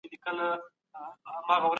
ميرويس خان نيکه په کوم وخت کي ژوند کاوه؟